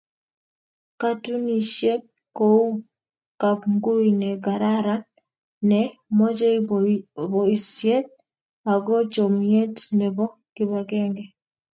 Katunisyet kou kapngui ne keraran ne mochei boisyet ako chomnyet nebo kibagenge.